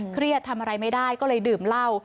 เครียดทำอะไรไม่ได้ก็เลยดื่มเหล้า